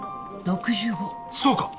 そうか。